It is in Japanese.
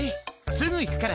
すぐ行くから。